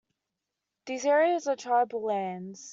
These areas are "tribal" lands.